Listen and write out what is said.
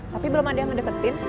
tapi belum ada yang ngedeketin